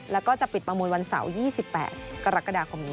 แล้วก็จะปิดประมวลวันเสาร์๒๘กรกฎาคมนี้